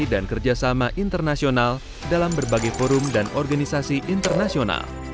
kerjasama internasional dalam berbagai forum dan organisasi internasional